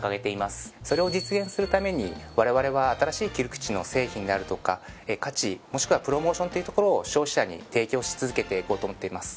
それを実現するためにわれわれは新しい切り口の製品であるとか価値もしくはプロモーションというところを消費者に提供し続けていこうと思っています。